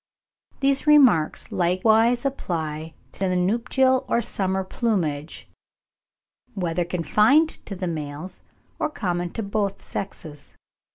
These remarks likewise apply to the nuptial or summer plumage, whether confined to the males, or common to both sexes.